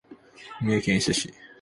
三重県伊勢市